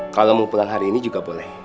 kalau mau pulang hari ini juga boleh